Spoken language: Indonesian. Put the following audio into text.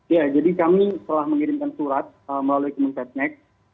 ya jadi kami telah mengirimkan surat melalui kementerian pembangunan